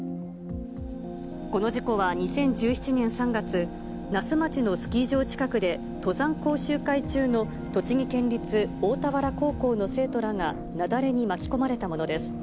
この事故は２０１７年３月、那須町のスキー場近くで登山講習会中の栃木県立大田原高校の生徒らが雪崩に巻き込まれたものです。